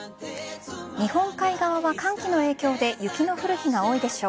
日本海側は、寒気の影響で雪の降る日が多いでしょう。